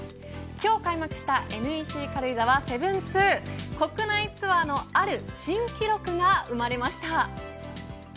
今日開幕したＮＥＣ軽井沢７２国内ツアーのある新記録が生まれました。